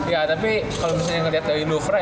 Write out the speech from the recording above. ya tapi kalau misalnya ngeliat dari luvree